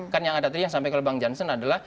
kan yang ada tadi yang sampai ke bank janssen adalah